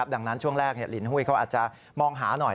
ดังนั้นช่วงแรกลินหุ้ยเขาอาจจะมองหาหน่อย